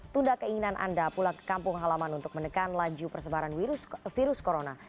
tunda keinginan anda pulang ke kampung halaman untuk menekan laju persebaran virus corona